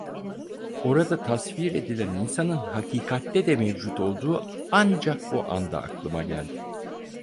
Orada tasvir edilen insanın hakikatte de mevcut olduğu ancak bu anda aklıma geldi.